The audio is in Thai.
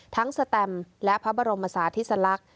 ทั้งสแตมและพระบรมศาสตร์ทฤษลักษณ์